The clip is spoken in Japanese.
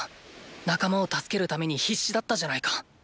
仲間を助けるために必死だったじゃないか。